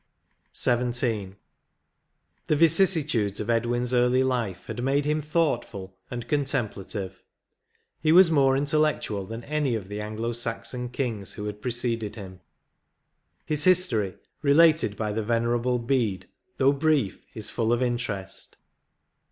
D u XVII. The vicissitudes of Edwins early life had made him thoughtfol and contemplative; he was more intellectual than any of the Anglo Saxon kings who had preceded him. His history, related by the Venerable Bede, though brief, is fall of interest.